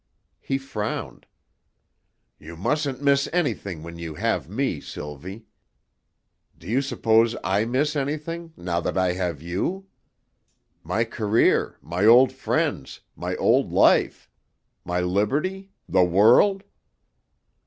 He frowned. "You mustn't miss anything when you have me, Sylvie. Do you suppose I miss anything, now that I have you? My career, my old friends, my old life, my liberty, the world?